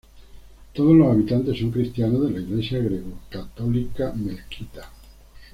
Todos los habitantes son cristianos de la iglesia greco-católica melquita.